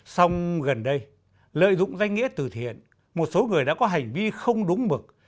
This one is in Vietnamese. sông gần đây lợi dụng danh nghĩa từ thiện một số người đã có hành vi không đúng mực